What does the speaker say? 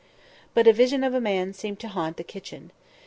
But a vision of a man seemed to haunt the kitchen.